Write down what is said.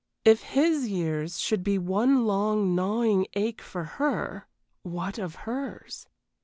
If his years should be one long, gnawing ache for her, what of hers?